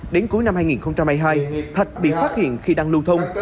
đến cuối năm hai nghìn hai mươi hai thạch bị phát hiện khi đang lưu thông